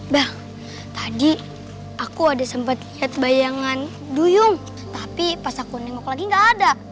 bah tadi aku ada sempat lihat bayangan duyung tapi pas aku nengok lagi gak ada